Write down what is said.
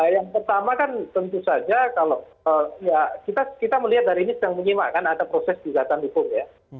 yang pertama kan tentu saja kalau kita melihat hari ini sedang menyimakkan ada proses jidatan hukum ya